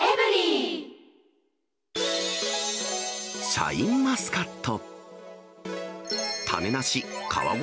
シャインマスカット。